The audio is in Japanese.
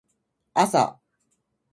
朝